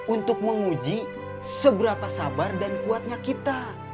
untuk menguji seberapa sabar dan kuatnya kita